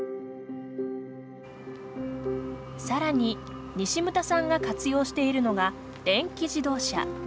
更に西牟田さんが活用しているのが電気自動車。